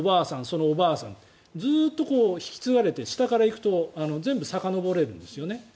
そのおばあさんずっと引き継がれて下から行くと全部さかのぼれるんですよね。